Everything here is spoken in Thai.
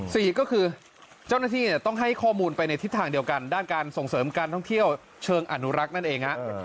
สี่ก็คือเจ้าหน้าที่ต้องให้ข้อมูลไปในทิศทางเดียวกันด้านการส่งเสริมการท่องเที่ยวเชิงอนุรักษ์นั่นเองฮะ